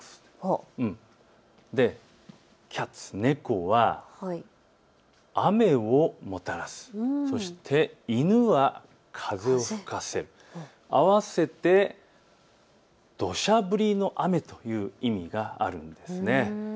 ｒａｉｎｃａｔｓａｎｄｄｏｇｓキャッツ、猫は、雨をもたらす、そして犬は、風を吹かせる、合わせてどしゃ降りの雨という意味があるんです。